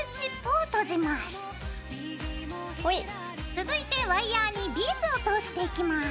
続いてワイヤーにビーズを通していきます。